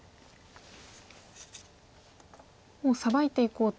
もうサバいていこうと。